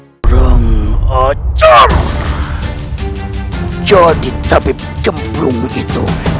kamar nyi iroh